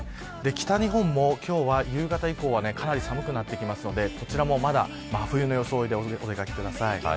北日本も今日は夕方以降はかなり寒くなってきますのでこちらもまだ真冬の装いでお出かけください。